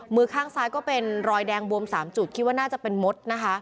มือข้างซ้ายก็เป็นรอยแดงบวม๓จุดคิดว่าน่าจะเป็นมดนะคะ